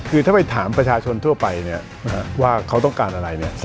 คือถ้าไปถามประชาชนทั่วไปว่าเขาต้องการอะไร